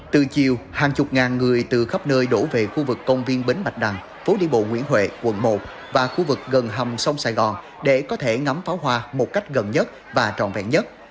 từ chiều hàng chục ngàn người từ khắp nơi đổ về khu vực công viên bến bạch đằng phố đi bộ nguyễn huệ quận một và khu vực gần hầm sông sài gòn để có thể ngắm pháo hoa một cách gần nhất và trọn vẹn nhất